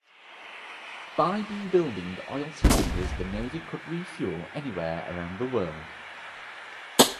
By be building oil tankers the Navy could refuel anywhere around the world.